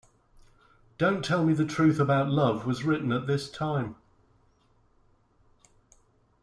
"Don't Tell Me the Truth About Love" was written at this time.